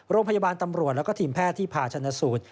โรงพยาบาลตำรวจแล้วก็ทีมแพทย์ที่ผ่าชนะสูตร